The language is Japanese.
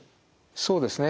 そうですね。